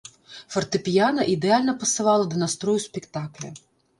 Фартэпіяна ідэальна пасавала да настрою спектакля.